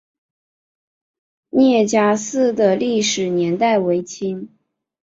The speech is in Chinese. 聂家寺的历史年代为清。